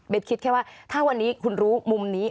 คิดแค่ว่าถ้าวันนี้คุณรู้มุมนี้